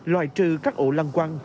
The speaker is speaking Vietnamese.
loại trừ các ổ lăng quăng